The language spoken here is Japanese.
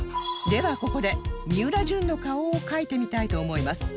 ではここでみうらじゅんの顔を描いてみたいと思います